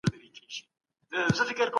خبري اتري وخت او صبر غواړي.